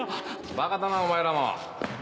馬鹿だなお前らも。